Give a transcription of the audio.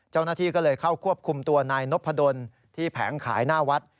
เจ้าหน้าที่ก็เลยเข้าควบคุมตัวนายนพดลที่แผงขายหน้าวัด